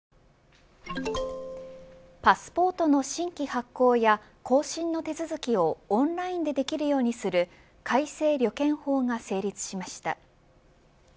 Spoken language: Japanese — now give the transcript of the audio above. ＪＴパスポートの新規発行や更新の手続きをオンラインでできるようにする改正旅券法が成立しました。